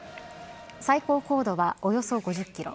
最高高度はおよそ５０キロ